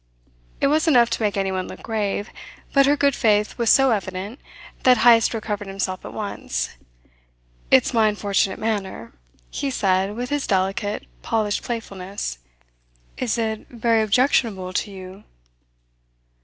It was enough to make anyone look grave, but her good faith was so evident that Heyst recovered himself at once. "It's my unfortunate manner " he said with his delicate, polished playfulness. "Is is very objectionable to you?"